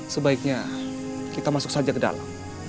sebaiknya kita masuk saja ke dalam